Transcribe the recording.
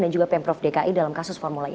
dan juga pemprov dki dalam kasus formula i